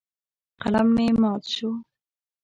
قلم مې مات شو.